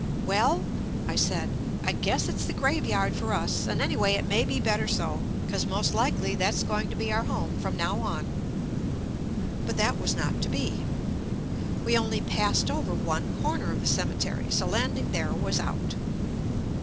"Well," I said, "I guess it's the graveyard for us, and anyway, it may be bet ter so, 'cause most likely that's going to be our home from now on." But that was not to be. We only passed over one corner of the ceme tery, so landing there was out.